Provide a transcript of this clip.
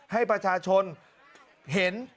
ให้ประชาชนเห็น